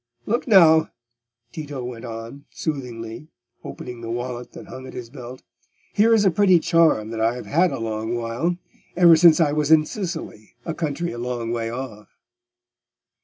"Look now," Tito went on, soothingly, opening the wallet that hung at his belt, "here is a pretty charm that I have had a long while—ever since I was in Sicily, a country a long way off."